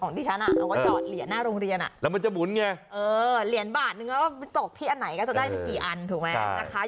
ของที่ฉันเราก็จอดเหรียญหน้าโรงเรียนแล้วมันจะบุญไงเออเหรียญบาทนึงตกที่อันไหนก็จะได้กี่อันถูกไหม